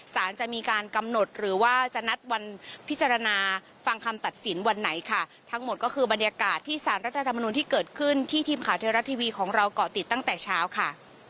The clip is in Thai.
สารจะมีการกำหนดหรือว่าจะนัดวันพิจารณาฟังคำตัดสินวันไหนค่ะทั้งหมดก็คือบรรยากาศที่สารรัฐธรรมนุนที่เกิดขึ้นที่ทีมข่าวเทวรัฐทีวีของเราเกาะติดตั้งแต่เช้าค่ะ